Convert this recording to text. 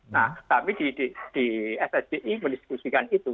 nah kami di fsbi mendiskusikan itu